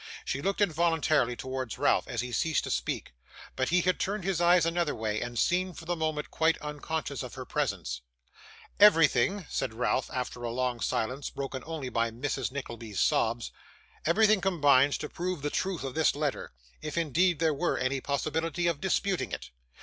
She looked involuntarily towards Ralph as he ceased to speak, but he had turned his eyes another way, and seemed for the moment quite unconscious of her presence. 'Everything,' said Ralph, after a long silence, broken only by Mrs Nickleby's sobs, 'everything combines to prove the truth of this letter, if indeed there were any possibility of disputing it.